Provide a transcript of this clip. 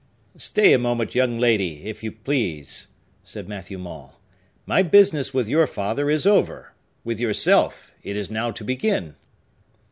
"Stay a moment, young lady, if you please!" said Matthew Maule. "My business with your father is over. With yourself, it is now to begin!"